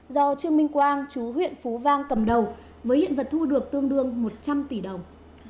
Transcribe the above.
do trương minh quang chú huyện phú vang cầm đầu với hiện vật thu được tương đương một trăm linh tỷ đồng